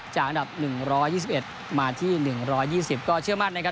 อันดับ๑๒๑มาที่๑๒๐ก็เชื่อมั่นนะครับ